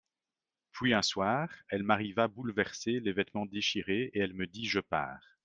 Puis, un soir, elle m'arriva, bouleversée, les vêtements déchirés, et elle me dit : Je pars.